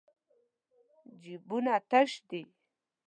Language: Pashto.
جېبونه تش دي.